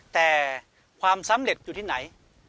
แต่ความสำเร็จอยู่ที่ไหน